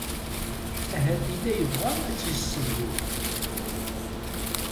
Ahat yella yebɣa ad tt-yessedhu.